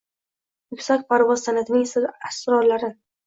yuksak parvoz san’atining sir-asrorlarin